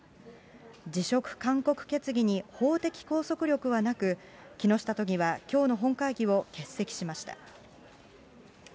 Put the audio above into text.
辞職勧告決議に法的拘束力はなく、木下都議はきょうの本会議を欠席しました。